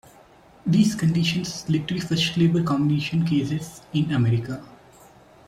These conditions led to the first labor combination cases in America.